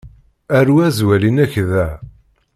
Aru azwel-inek da.